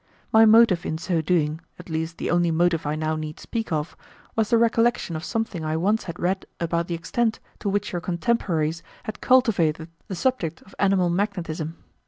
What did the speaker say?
My motive in so doing, at least the only motive I now need speak of, was the recollection of something I once had read about the extent to which your contemporaries had cultivated the subject of animal magnetism.